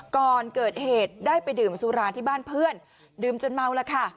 ก่อนเกิดเหตุได้ไปดื่มสุราที่บ้านเพื่อนดื่มจนเมาแล้วค่ะ